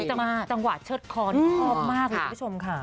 จังหวะเชิดคอนี่ชอบมากเลยคุณผู้ชมค่ะ